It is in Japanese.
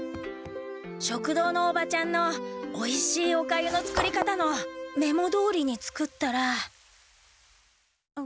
食堂のおばちゃんのおいしいおかゆの作り方のメモどおりに作ったら。